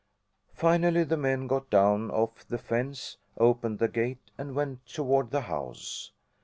Finally the men got down off the fence, opened the gate, and went toward the house.